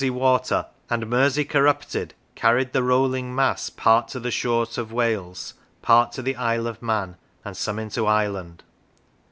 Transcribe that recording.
Physical Structure water, and Mersey corrupted, carried the rolling mass part to the shores of Wales, part to the Isle of Man, and some into Ireland."